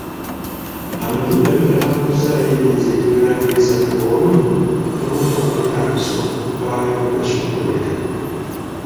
Amagi nali ngatambuzzaayo emyezi egiwera ng'esatu olwo nno n'olubuto nga lutandise okuvaayo okwesongolerera.